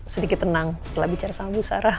sedikit tenang setelah bicara sama bu sarah